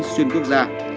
xuyên quốc gia